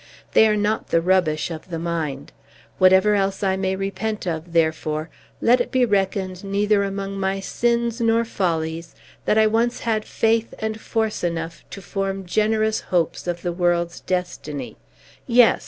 They are not the rubbish of the mind. Whatever else I may repent of, therefore, let it be reckoned neither among my sins nor follies that I once had faith and force enough to form generous hopes of the world's destiny yes!